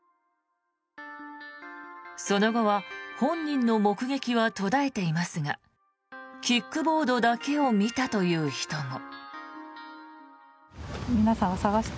その後は本人の目撃は途絶えていますがキックボードだけを見たという人も。